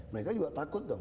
mereka juga takut dong